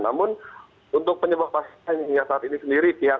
namun untuk penyebab pasiennya saat ini sendiri